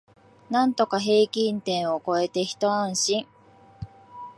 なんとか平均点を超えてひと安心